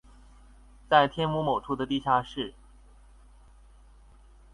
在天母某處的地下室